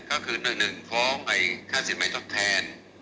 ก็คือหนึ่งหนึ่งฟ้องค่าสินไม้จดแทน